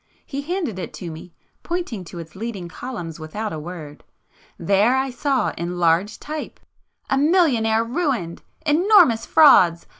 He handed it to me pointing to its leading columns without a word. There I saw in large type—"A Millionaire Ruined! Enormous Frauds!